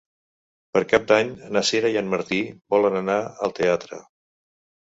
Per Cap d'Any na Sira i en Martí volen anar al teatre.